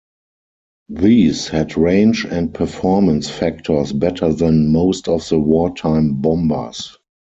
These had range and performance factors better than most of the wartime bombers.